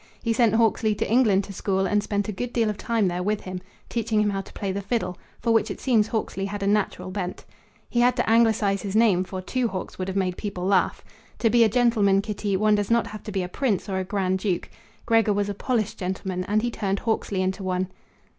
He sent Hawksley to England to school and spent a good deal of time there with him, teaching him how to play the fiddle, for which it seems Hawksley had a natural bent. He had to Anglicize his name; for Two Hawks would have made people laugh. To be a gentleman, Kitty, one does not have to be a prince or a grand duke. Gregor was a polished gentleman, and he turned Hawksley into one."